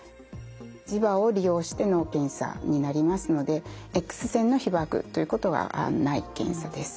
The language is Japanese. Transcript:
磁場を利用しての検査になりますのでＸ線の被ばくということはない検査です。